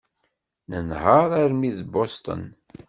Nenheṛ armi d Boston.